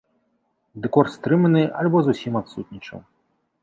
Дэкор стрыманы альбо зусім адсутнічаў.